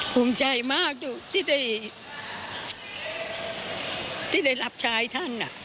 ภูมิใจมากที่ได้รับชายท่าน